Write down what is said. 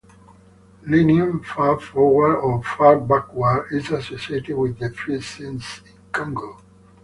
Leaning far forward or far backward is associated with defiance in Kongo.